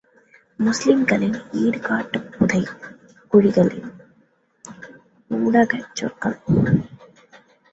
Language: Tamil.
முஸ்லீம்களின் இடுகாட்டுப் புதை குழிகளின் ஊடாகச் சென்றார்கள்.